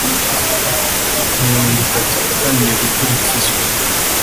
mirongo itatu atangiye gukurikizwa